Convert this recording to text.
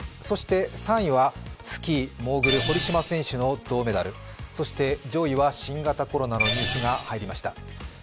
そして３位はスキーモーグル堀島選手の銅メダルそして上位は新型コロナのニュースが入りました。